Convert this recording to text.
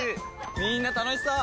みんな楽しそう！